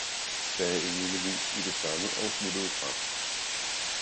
sagde en lille mus i det samme og smuttede frem.